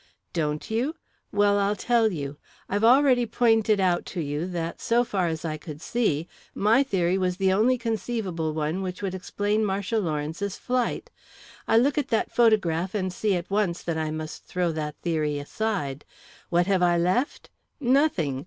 "Don't you? Well, I'll tell you. I've already pointed out to you that, so far as I could see, my theory was the only conceivable one which would explain Marcia Lawrence's flight. I look at that photograph and see at once that I must throw that theory aside. What have I left? Nothing!